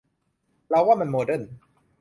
เราว่ามันโมเดิร์น